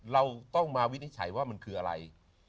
เราต้องมาวินิจฉัยว่ามันคืออะไร